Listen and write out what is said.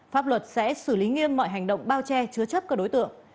pháp luật sẽ xử lý nghiêm mọi hành động bao che chứa chấp các đối tượng